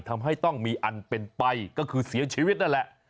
ทำให้ต้องมีอันเป็นไปก็คือเสียชีวิตนั่นแหละ